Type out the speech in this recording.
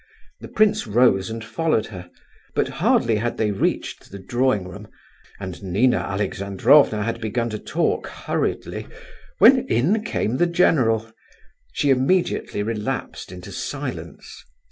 The prince rose and followed her; but hardly had they reached the drawing room, and Nina Alexandrovna had begun to talk hurriedly, when in came the general. She immediately relapsed into silence.